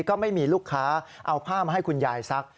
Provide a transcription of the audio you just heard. ก็ไม่มีลูกค้าเอาผ้ามาให้คุณยายซัก